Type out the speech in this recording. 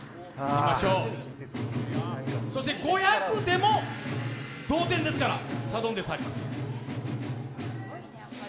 そして５００でも同点ですから、サドンデスあります。